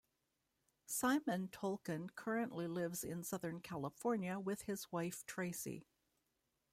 Simon Tolkien currently lives in southern California with his wife Tracy.